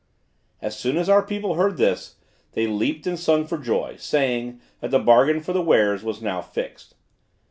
As soon as our people heard this, they leaped and sung for joy, saying, that the bargain for the wares was now fixed.